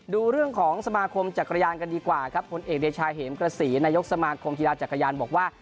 ดูเรื่องของสมาคมจักรยานกันดีกว่าครับผลเอกเดชาเหมกระศรีนายกสมาคมกีฬาจักรยานบอกว่า